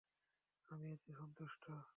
আমি এতে সন্তুষ্ট।